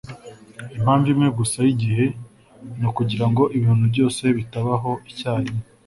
impamvu imwe gusa y'igihe ni ukugira ngo ibintu byose bitabaho icyarimwe